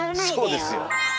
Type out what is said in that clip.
そうですよ。